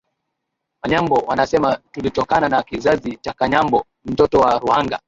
Wanyambo wanasema tulitokana na kizazi cha Kanyambo mtoto wa Ruhanga